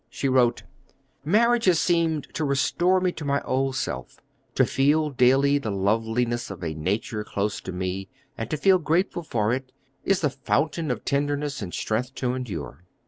She wrote: "Marriage has seemed to restore me to my old self.... To feel daily the loveliness of a nature close to me, and to feel grateful for it, is the fountain of tenderness and strength to endure."